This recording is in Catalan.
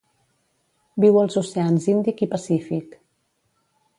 Viu als oceans Índic i Pacífic.